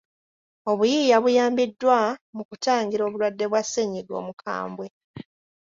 Obuyiiya buyambiddwa mu kutangira obulwadde bwa ssennyiga omukambwe.